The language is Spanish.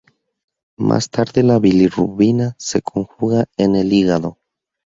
Más tarde la bilirrubina se conjuga en el hígado.